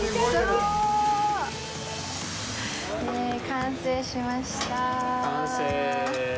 完成しました。